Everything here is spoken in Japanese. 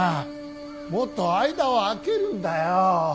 もっと間を空けるんだよ。